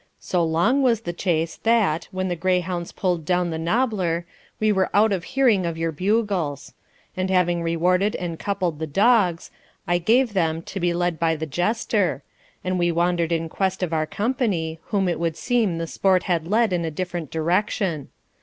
So long was the chase that, when the greyhounds pulled down the knobbler, we were out of hearing of your bugles; and having rewarded and coupled the dogs, I gave them to be led by the jester, and we wandered in quest of our company, whom it would seem the sport had led in a different direction.